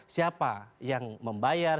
siapa yang membayar